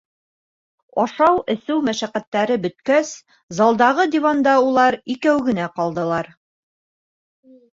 Ашау-эсеү мәшәҡәттәре бөткәс, залдағы диванда улар икәү генә ҡалдылар.